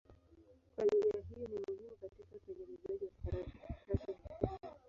Kwa njia hiyo ni muhimu katika utengenezaji wa karatasi hasa.